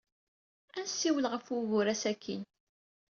Ad nessiwel ɣef wugur-a sakkin.